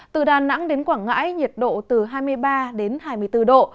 từ đà nẵng đến quảng ngãi nhiệt độ từ hai mươi ba đến hai mươi bốn độ